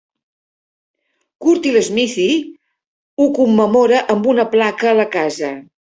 Courthill Smithy ho commemora amb una placa a la casa.